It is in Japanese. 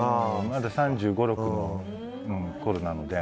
まだ３５３６のころなので。